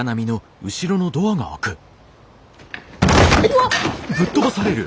うわっ！